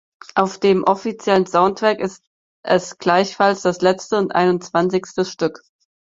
Auf dem offiziellen Soundtrack ist es gleichfalls das letzte und einundzwanzigste Stück.